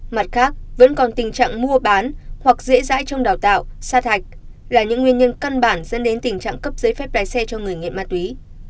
mặt khác vẫn còn tình trạng mua bán hoặc dễ dãi trong đào tạo sa thạch là những nguyên nhân căn bản dẫn đến tình trạng cấp giấy phép lái xe cho người nghiện ma túy